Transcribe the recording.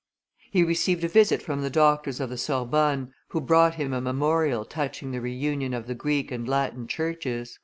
He received a visit from the doctors of the Sorbonne, who brought him a memorial touching the reunion of the Greek and Latin Churches.